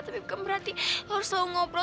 tapi bukan berarti harus selalu ngobrol